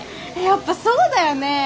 やっぱそうだよね。